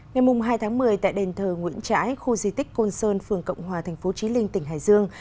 ngày hai tháng một mươi tại đền thờ nguyễn trãi khu di tích côn sơn phường cộng hòa thành phố trí linh tỉnh hải dương